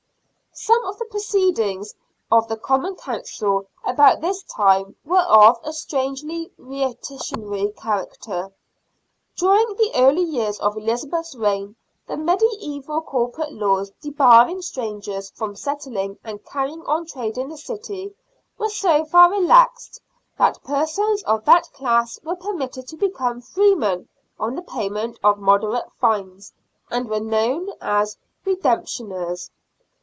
Some of the proceedings of the Common Council about this time were of a strangely reactionary character. During the early years of Elizabeth's reign the mediaeval corporate laws debarring strangers from settling and carrying on trade in the city were so far relaxed that persons of that class were permitted to become freemen on the payment of moderate fines, a.nd were known as " re demptioners."